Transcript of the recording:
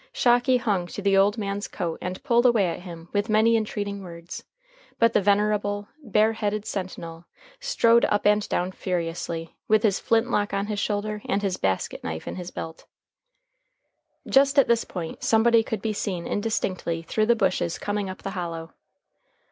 Shocky hung to the old man's coat and pulled away at him with many entreating words, but the venerable, bare headed sentinel strode up and down furiously, with his flintlock on his shoulder and his basket knife in his belt. Just at this point somebody could be seen indistinctly through the bushes coming up the hollow.